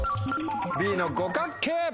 Ｂの五角形。